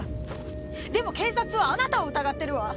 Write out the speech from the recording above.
でも警察はあなたを疑ってるわ。